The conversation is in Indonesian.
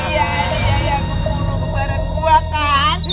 ya ada aja yang memurung kebaran gua kan